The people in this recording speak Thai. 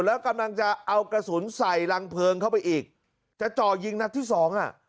แล้วกำลังจะเอากระสุนใส่รังเพลิงเข้าไปอีกจะจ่อยิงนัดที่สองอ่ะ